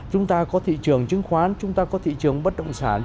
chúng ta có thị trường chứng khoán chúng ta có thị trường bất động sản